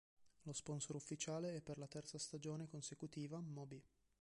Lo sponsor ufficiale è, per la terza stagione consecutiva, "Moby".